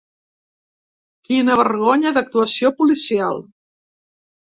Quina vergonya d'actuació policial.